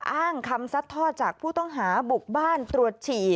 อ้างคำซัดทอดจากผู้ต้องหาบุกบ้านตรวจฉี่